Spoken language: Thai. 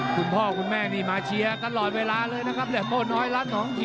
คุณพ่อคุณแม่นี่มาเชียร์กันร่อยเวลาเลยนะครับแหละพ่อหนอยละ๒๕